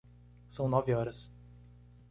São nove horas.